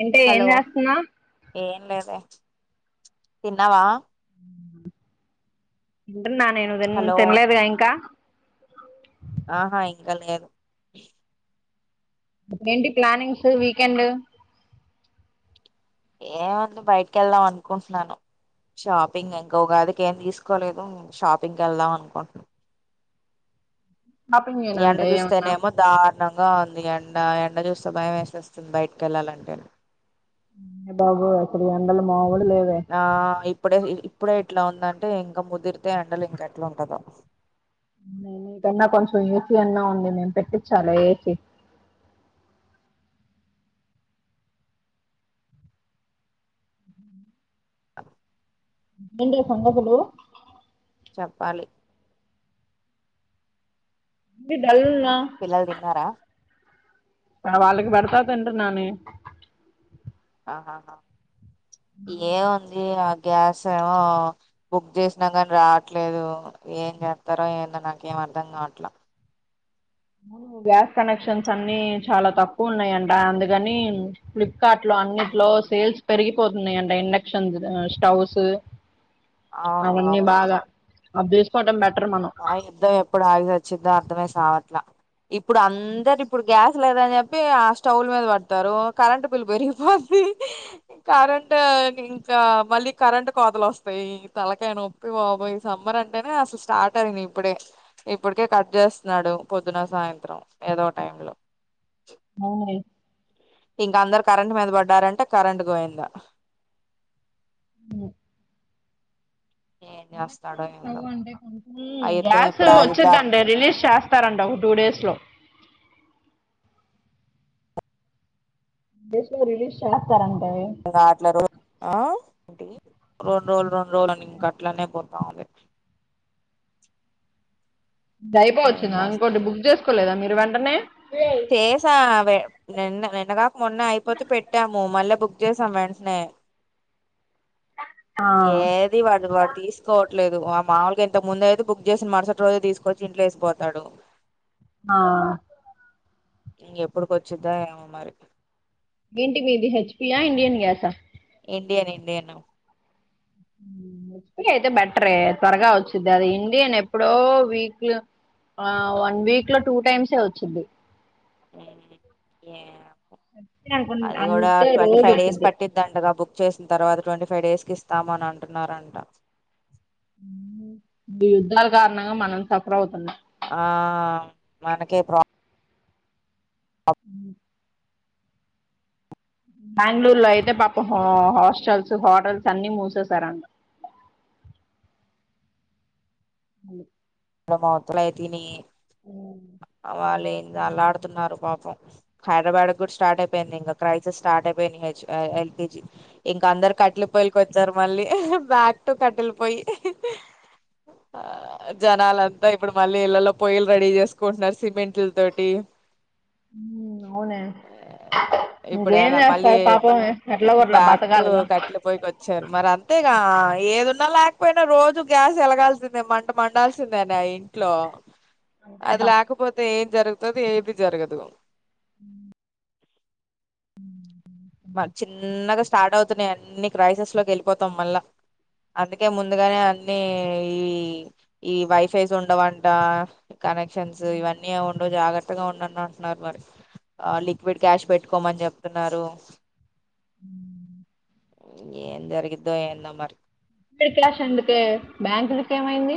అంటే ఏం చేస్తున్నావ్ గద తిన్నావా ఉ నా నేను హలో తినలేదుగా ఇంకా ఆహా ఇంకా లేదు ఏంటి ప్లనింగ్స్ వీకెండ్ ఏముంది బయటికి వెళ్దాం అనుకుంటున్నాను షాపింగ్ ఇంక ఉగాదికి ఏం తీసుకోలేదు షాపింగ్కి వెళ్దాం అనుకుంటున్నా షాపింగ్ ఎండ ఏనంటే ఏమన్నా చూస్తేనేమో దారుణం ఉంది ఎండ ఎండ చూస్తే భయం వేసేస్తుంది బయటికి వెళ్ళాలంటే బాబు అసలు ఏ మ ఆ ఇ ఇప్పుడే ఇప్పుడే ఇట్లా ఉందంటే ఇంకా ముదిరితే ఎండలు ఇంకా ఎట్లా ఉంటందో ఆ మీకన్నా కొంచెం ఏ సి అన్నా ఉంది నేను పెట్టించాలా ఏ సి అ ఏంటి సంగతులు చెప్పాలి డల్ ఉన్నావ్ పిల్లలు తిన్నారా వాళ్ళకి పెడతా తింటున్న ఆహా ఏముంది ఆ గ్యాస్ ఏమో బుక్ చేసినా కానీ రావట్లేదు ఏం చేస్తారో ఏందో నాకు ఏం అర్థం కావట్లే గ్యాస్ కనెక్షన్స్ అన్ని చాలా తక్కువ ఉన్నాయంట అందుకని ఫ్లిప్కార్ట్ లో అన్నిట్లో సేల్స్ పెరిగిపోతున్నాయంట ఇండక్షన్స్ స్టవ్స్ అవును అవును ఆ దేస్పాటం ఆ యుద్ధం ఎప్పుడు ఆగి సచ్చిద్ధో అర్ధమై సావట్లా ఇప్పుడు అందరు ఇప్పుడు గ్యాస్ లేదని చెప్పి ఆ స్టవ్ల మీద పడతారు కరెంట్ బిల్ పెరిగిపోద్ది కరెంట్ ఇంకా మళ్ళీ కరెంట్ కోతలు వస్తాయి తలకాయి నొప్పి బాబోయ్ సమ్మర్ అంటేనే అసలు స్టార్ట్ చెప్పారు ఇప్పుడే ఇప్పటికే కట్ చేస్తున్నాడు పొద్దున సాయంత్రం ఏదో టైమ్ లో అవును లే ఇంక అందరు కరెంట్ మీద పడ్డారంటే కరెంట్ గోవిందా ఏం చేస్తాం హుమ్ గ్యాస్ ఎప్పుడు ఆగిద్దో అర్థం వచ్చిద్దండి రిలీజ్ చేస్త వస్తారంట ఒక టూ డేస్లో బెస్టే రిలీజ్ చేస్తారు ఇంకా అట్ల రోజు ఆ ఏంటి రెండురోజులు రోజులన్నీ ఇంకట్లనే పోతావుంది అది ఏం అయిపోవచ్చిందా చేస్తా ఇంకోటి బుక్ చేసుకోలేదా మీరు వెంటనే చేసా నిన్న నిన్నగాక మొన్న అయిపోతే పెట్టాము మళ్ళా బుక్ ఇచ్చేశాం వెంటనే ఆ ఏది వాడ్ది వాడు తీసుకోవట్లేదు వ మాముూల్గా ఇంత ముందు అయితే బుక్ చేసిన మరుసటి రోజే తీసుకొచ్చి ఇంట్లో వేసిపోతాడు ఆ ఇంకెప్పుడుకొచ్చిద్దో ఏమో మరి ఏంటి మీది హెచ్పియా ఇండియన్ గ్యాసా ఇండియన్ ఇండియను హెచ్పి అయితే బెట్రే త్వరగా వచ్చిద్ధి అది ఇండియన్ ఎప్పుడో వీక్ లో ఆ వన్ వీక్ లో టూ టైమ్సే వచ్చిద్ధి హుమ్ ఏమో అంతే అనుకుంట అంటే రోజు ఫైవ్ డేస్ వచ్చిద్ది పట్టిద్దంటగా బుక్ చేసిన తర్వాత ట్వంటీ ఫైవ్ డేస్ కి ఇస్తాము అని అంటున్నారంట ఈ యుద్ధాల్ కారణంగా మనం సఫర్ అవుతున్నాం ఆ మనకే ప్రోబ్ హుమ్ బెంగ్ళూరులో అయితే పాపం హాస్టల్స్ హోటల్స్ అన్ని మూసేసారంట హలొ [inaudible] అ వాళ్ళేంద అల్లాడుతున్నారో పాపం హైద్రబాడ్కి కూడ స్టార్ట్ అయిపోయింది ఇంకా క్రైసిస్ స్టార్ట్ అయిపోయింది ఇంక హెచ్ ఆ యల్పీజి ఇంక అందరు కట్టెలపొయ్యిలకి వచ్చారు మళ్ళీ బ్యాక్ టు కట్టెలపొయ్యి జనాలంత ఇప్పుడు మళ్ళీ ఇళ్లలో పొయ్యిలు రెడీ చేసుకుంటున్నారు సిమెంటుల్ తోటి అవునే ఇప్పుడు ఇంకేం ఎలా మళ్ళీ చేస్తారు పాపం ఎట్లాగో అట్లా బ్యాక్ టు బతకాలిగా కట్టెల పోయికి వచ్చారు మరి అంతేగా ఎదున్నా లేకపోయిన పోయిన రోజు గ్యాస్ ఎలగాల్సిందె మంట మంట ఉండాల్సిందేనె ఇంట్లో అంతే అది పా లేకపోతే ఏం జరుగుతది ఏది జరగదు హుమ్ మా చిన్నగ స్టార్ట్ అవుతున్నాయి అన్నిీ క్రైసిస్లోకి వెళ్ళిపోతాం మళ్ళా అందుకే ముందుగానే అన్నీ ఈ ఈ వైఫై తోనె ఉండవంట కనెక్షన్స్ ఇవన్నీ ఉండవు జాగ్రత్త కొత్తగా అని అంటున్నారు మరి ఆ లిక్విడ్ క్యాష్ పెట్టుకోమని చెప్తున్నారు ఏం జరిగిద్దో ఎందొ మరి ఇప్పుడ క్యాష్ ఎందుకే బ్యాంకుల్ కి ఏమైంది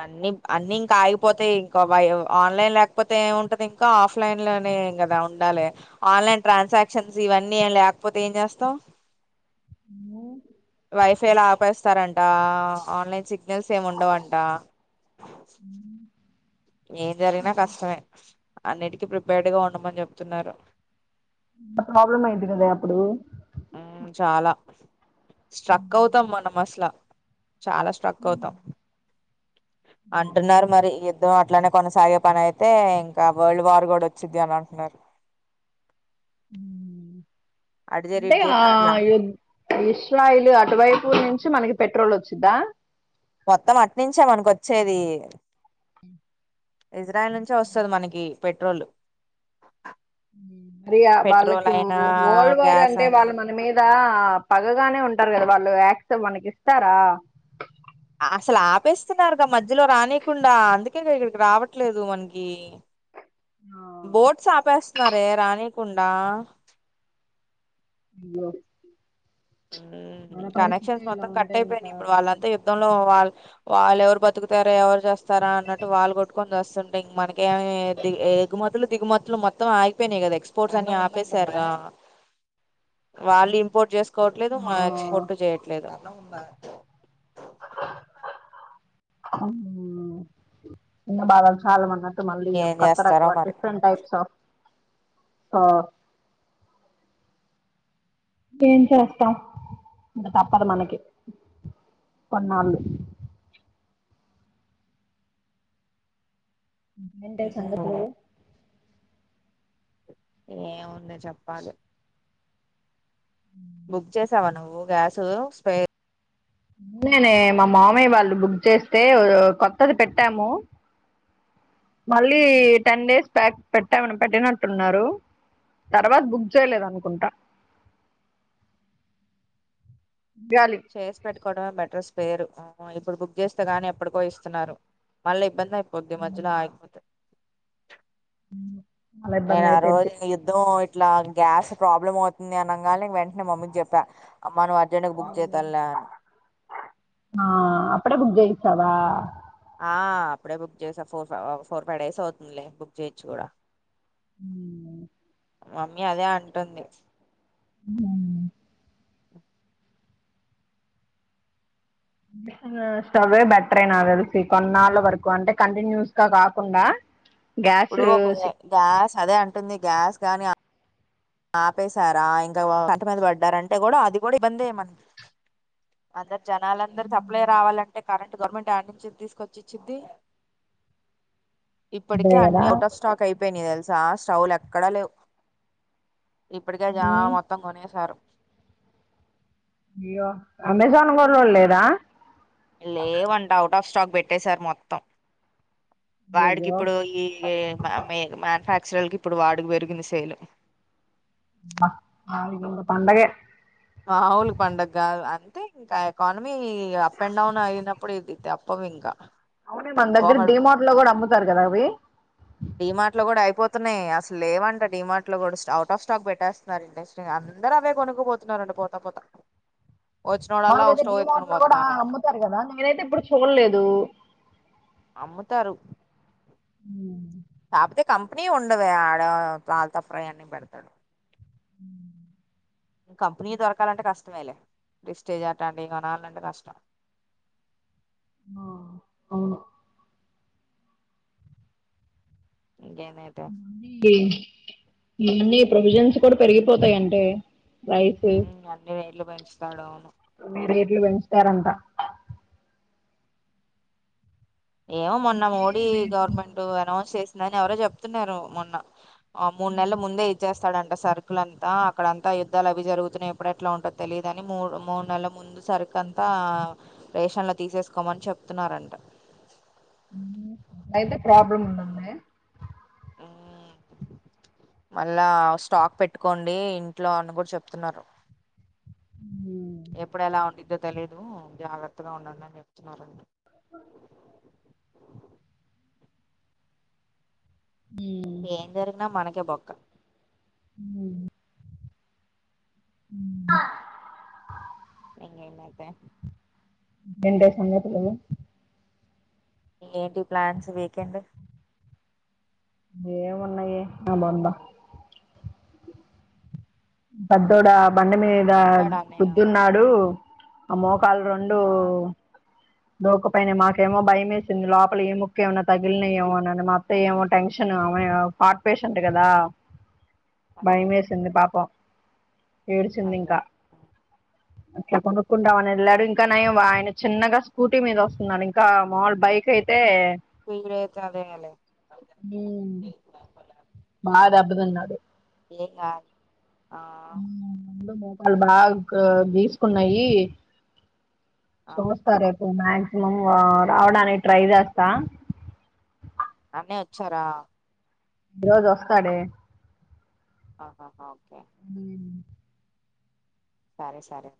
అన్నిీ అన్నిీ ఇంక ఆగిపోతయి ఇంకా ఆన్లైన్ లేకపోతే ఏం ఉంటది ఇంకా ఆఫ్లైన్లోనే కదా ఉండాలి ఆన్లైన్ ట్రాన్సాక్షన్స్ ఇవన్నీ లేకపోతే ఏం చేస్తావు వైఫైలో ఆపేస్తారంటా ఆన్లైన్ సిగ్నల్స్ ఏమి ఉండవుంట ఏం జరిగిన కష్టమే అన్నిటికీ ప్రిపేర్డ్గా ఉండమని చెప్తున్నారు ప్రాబ్లమ్ అయ్యిద్ది కదె అప్పుడు మ్ చాల స్ట్రక్ అవుతాం మనం అస్ ట్ల చాల స్ట్రక్ అవుతాం అంటున్నారు మరి యుద్ధం అట్లనే కొనసాగే పని అయితే ఇంకా వరల్డ్ వార్ కూడా వచ్చిది అని అంటున్నారు అటు జరి అంటే ఇటు జరి ఆ అట్లా ద్ ఇస్లాయిల్ అటువైపు నుంచి మనకి పెట్రోల్ వచ్చిందా మొత్తం అట్నుంచె మనకొచ్చేది ఇజ్రాయల్ నుంచే వస్తుంది మనకి పెట్రోలు అరియా వాళ్ళకి వాఓల్వర్ గ్యాస్ అంటే అయినా వాళ్ళ మన మీద పగగానే ఉంటారు కదా వాళ్ళు యాక్సప్ మనకి ఇస్తారా అసలు ఆపేస్తున్నారుగా మధ్యలో రానీకుండా అందుకేగా ఇక్కడికి రావట్లేదు మనకి బోట్స్ ఆపేస్ వన్నారే రాని కుండా ఇ కనెక్షన్స్ మొత్తం కట్ అయిపోయాయి ఇప్పుడు వాళ్ళంతా యుద్ధంలో వాళ్ళ వాళ్ళు ఎవరు బతుకుతారా ఎవరు చేస్తారా అన్నట్టు వాళ్ళు కొట్టుకొని వస్తుంటేం మనక ఏి ఎగుమతులు దిగుమతులు మొత్తం ఆగిపోయినాయి కదా ఎక్స్పోర్ట్స్ అన్ని ఆపేశారు వాళ్ళు ఇంపోర్ట్ చేసు కోవట్లేదు ఆ ఎక్స్పోర్ట్ చేయట్లేదు ఇకా బాల చాల మంద మళ్ళీ ఏం చేస్తారో కక్కరకు మరి డిఫరెంట్ టైప్స్ ఆఫ్ ఆ ఏం చేస్తాం తప్పదు మనకి కొన్నాళ్ళు ఏంటి సంగతులు ఏముంది చెప్పాలి బుక్ చేసావా నువ్వు గ్యాసు స్పే అనే మా మామయ్య వాళ్ళు బుక్ చేస్తే కొత్తది పెట్టాము మళ్ళీ టెన్ డేస్ బ్యాక్ పెట్టామ పెట్టినట్టున్నారు తర్వాత బుక్ చేయలేదు అనుకుంటా చెయ్యాలి ర్స్ పెట్కోవ మెట్రస్ పేరు ఇప్పుడు బుక్ చేస్తే గాని ఎప్పటికో ఇస్తున్నారు మళ్ళీ ఇబ్బంది కొద్దది మధ్యలో ఆయిపోతే చాలా ఏను ఇబ్బంది ఆ రోజు అయిపోయింది యుద్ధం ఇ ఇట్లా గ్యాస్ ప్రాబ్లమ్ అవుతుంది అనగా న వెంటనే మమ్మీ చెప్పా అమ్మా నువ్వు అర్జెంట్ గా బుక్ చేయి తల్లే అని అప్పుడే బుగ తవా ఆ అప్పుడే బుక్ చేసా ఫోర్ ఫ్ ఫోర్ ఫైవ్ డేస్ అవుతుందిలే బుక్ చేయొచ్చు కూడా హ మమ్మీ అదే అంటుంది ఆ స్టవే బెటరేనా కలిసి కొన్నాళ్ళ వరకు అంటే కంటిన్యూస్ గా కాకుండా గ్యాస్ ఇప్పుడు ఒకే గ్యాస్ చదే అంటుంది గ్యాస్ కాగాని ఆపేశారా ఇంకా పంట మీద పడ్డారంటే కూడా అది కూడా ఇబ్బందిన జనాాలందరుూ సప్లై రావాలంటే కరెంట్ గవర్నమెంట్ ఆయడి నుంచి తీసుకొచ్చి ఇచ్చింది ఇప్పటిక అంతే కదా అట్ ఆఫ స్టాక్ అయి తెలిసి సా స్టౌలు ఎక్కడ లేవు ఇప్పటికే జానాలు మొత్తం కొనేసారు ఇయో అమెజాన్ కూడాలేదా ఇ లేే వంటవు ట్ ఆఫ్ స్టాక్ పెట్టేసార్ మొత్తం వాడికి అయ్యయ్యో ఇప్పుడు ఈ ఫ్రాక్చరలకి ఇప్పుడు వాడు పెరిగిన శైలు ఆంట పండగే మావులి పడుగగాదు అంటే ఇంకా ఎకానమీ అప్ అండ్ డౌన్ అయినప్పుడు ఇది తప్పవు ఇంకా అవును మన దగ్గర ఒకడు డిమార్ట్ లో కూడా అమ్ముతారు కదా అవి న్నాయి అసలు లేవంట డిమార్ట్ లో కూడా అవుట్ ఆఫ్ స్టాక్ పెట్టేస్తున్నారు ఇండస్ట్రీ అందరు అవే కొనుక్కపో న్నారండి పోతా పోతా వచ్చినోడల్లా ఒక మాళ్ళగైతే డి స్టవ్ మోట్ ఎత్తుకొని లో కూడా పోతున్నారంట అమ్ముతారు కదా నేనైతే ఇప్పుడు చూడలేదు అమ్ముతారు కాకతే కంపెనీ ఉండవ ఆడ తళతఫ్రా అన్న పెడతాడు కంపెనీ దొరకాలంటే కష్టమేలే రిస్టేజ్ అట అంటే కొనాలంటే కష్టం ఆ అవును ఇంకేందైతే మనీ మన్న ప్రొవిజన్స్ కూడా పెరిగిపోతాయంటే అన్ని నేళ్లు పెంచుతాడు అవును వెనిస్తారంతా ఏమో మొన్న మోడీ గవర్నమెంట్ అనౌన్స్ చేసి దాని ఎవరో చెప్తున్నారు మొన్న ఆ మూడు నెల ముందే ఇచ్చేస్తా అక్కడంట సరుకులంతా అక్కడంతా యుద్ధాలు అవి జరుగుతున్నాయి ఎప్పుడెట్లా ఉంటుందో తెలీయదుని మూడు మూడు నెలల ముందు సరుకు అంతా రేషన్లో తీసేసుకోమని చెప్తున్నారంట అయితే ప్రాబ్లం ఉందింది మళ్ళా స్టాక్ పెట్టుకోండి ఇంట్లో అని కూడా చెప్తున్నారు ఎప్పుడు ఎలా ఉండి ధ తె లేదు జాగ్రత్తగా ఉండండి అని చెప్తున్నారండి అ ఏం జరు మనకి ఒకే బక్క హ ఇంకేం అండి ఎంటి సంగతులు ఏంటి ప్లాన్స్ వీకెండ్ ఏమి ఉన్నాయే నా బొంద పెద్దొడ బండ మీద వచ్చాడా అన్నయ్య పొద్దున్నాడు అమో పల్ రెండు ఆ దోకపైన మాకేమో భయం వేసింది లోపల ఏ ముక్కే ఏమన్నా తగిలినయి ఏమో అని మా అత్త ఏమో టెన్షన్ హార్ట్ పేషెంట్ కదా అదే అదే భయమేసింది పాపం ఏడుచింది అయ్యో ఇంకా అట్లా కొనుక్కుంటామని వెళ్ళడు ఇంకా నయం ఆయన చిన్నగా స్కూటీ మీద వస్తున్నాడు ఇంకా మాముూలు బైక్ అయితే [unintelligible] మాద దెబ్బ తినడు డెక్క ఆ వాళ్ళు బాగా గీసుకున్నాయి ఆ సుమస్తారే మాక్సిమం రావడానికి ట్రై చేస్తా నాన్నే వచ్చారా ఈ రోజు వస్తాడే ఆహాహా ఓకే సరే సరే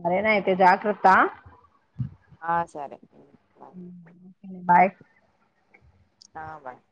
సరేన అయితే జాగ్రత్త ఆ సరే బాయ్ ఆ బాయ్